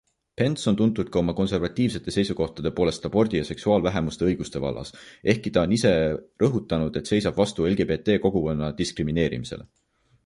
Pence on tuntud ka oma konservatiivsete seisukohtade poolest abordi ja seksuaalvähemuste õiguste vallas, ehkki ta on ise rõhutanud, et seisab vastu LGBT-kogukonna diskrimineerimisele.